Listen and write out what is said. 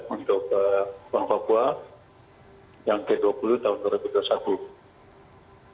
untuk bank papua yang ke dua puluh tahun dua ribu dua puluh satu